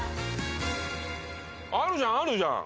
あるじゃんあるじゃん！